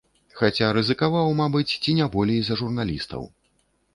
Хаця рызыкаваў, мабыць, ці не болей за журналістаў.